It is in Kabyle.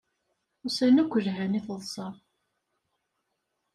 Ussan akk lhan i taḍsa